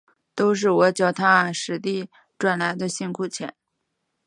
都是我脚踏实地赚来的辛苦钱